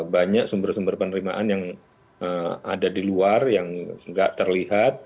banyak sumber sumber penerimaan yang ada di luar yang nggak terlihat